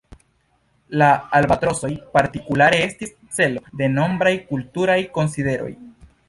La albatrosoj partikulare estis celo de nombraj kulturaj konsideroj.